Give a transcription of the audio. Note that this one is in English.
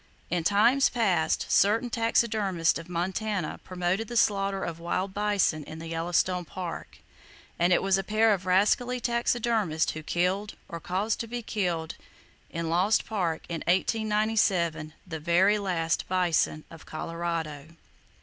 In times past, certain taxidermists of Montana promoted the slaughter of wild bison in the Yellowstone Park, and it was a pair of rascally taxidermists who killed, or caused to be killed in Lost Park, in 1897, the very last bison of Colorado.